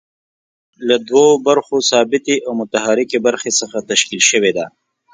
له دوو برخو ثابتې او متحرکې برخې څخه تشکیل شوې ده.